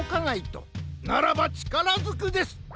ならばちからずくです！